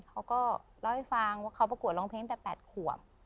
เขาก็เล่าให้ฟังว่าเขาประกวดร้องเพลงแต่๘ขวบ